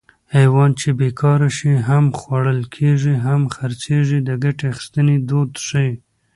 حیوان چې بېکاره شي هم خوړل کېږي هم خرڅېږي د ګټې اخیستنې دود ښيي